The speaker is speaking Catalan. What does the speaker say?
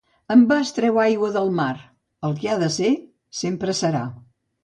En va es treu aigua del mar; el que ha de ser sempre serà.